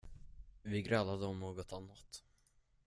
Vi grälade om något annat.